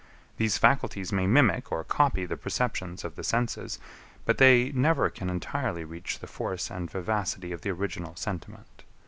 These faculties may mimic or copy the perceptions of the senses; but they never can entirely reach the force and vivacity of the original sentiment.